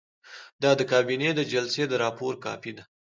دا د کابینې د جلسې د راپور کاپي ده.